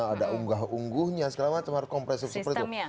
ada unggah ungguhnya segala macam harus kompresif seperti itu